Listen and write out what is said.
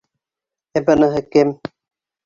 Ә быныһы кем?